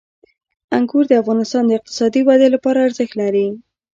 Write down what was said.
انګور د افغانستان د اقتصادي ودې لپاره ارزښت لري.